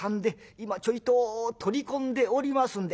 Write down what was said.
今ちょいと取り込んでおりますんで」。